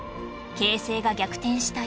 形勢が逆転した